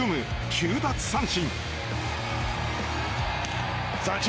９奪三振。